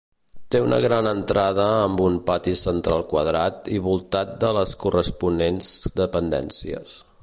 Té una gran entrada amb un pati central quadrat i voltat de les corresponents dependències.